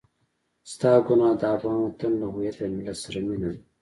ستا ګناه د افغان وطن له هويت او ملت سره مينه ده.